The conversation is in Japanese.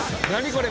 これ！